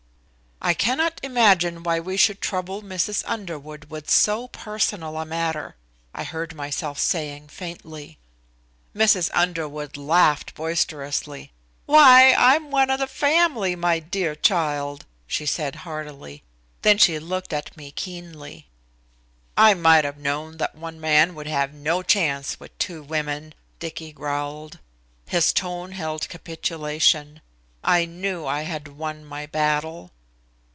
"I cannot imagine why we should trouble Mrs. Underwood with so personal a matter," I heard myself saying faintly. Mrs. Underwood laughed boisterously. "Why, I'm one of the family, my dear child," she said heartily. Then she looked at me keenly. "I might have known that one man would have no chance with two women," Dicky growled. His tone held capitulation. I knew I had won my battle.